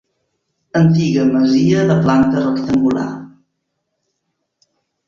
Antiga masia de planta rectangular.